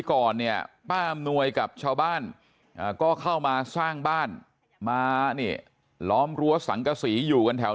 ก่อนเนี่ยป้าอำนวยกับชาวบ้านก็เข้ามาสร้างบ้านมานี่ล้อมรั้วสังกษีอยู่กันแถว